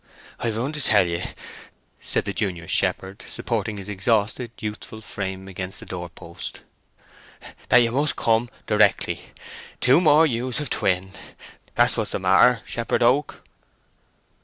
"I've run to tell ye," said the junior shepherd, supporting his exhausted youthful frame against the doorpost, "that you must come directly. Two more ewes have twinned—that's what's the matter, Shepherd Oak."